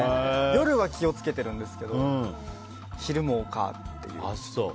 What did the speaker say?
夜は気をつけてるんですけど昼もかっていう。